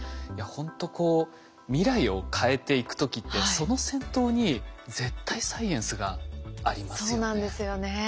いやほんとこう未来を変えていく時ってその先頭に絶対サイエンスがありますよね。